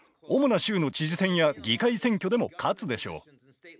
主な州の知事選や議会選挙でも勝つでしょう。